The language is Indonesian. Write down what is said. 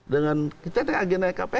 dengan kita ada agenda kpk